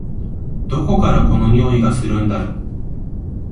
どこからこの匂いがするんだろ？